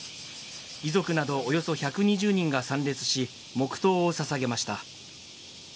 遺族などおよそ１２０人が参列し、黙とうを捧げました。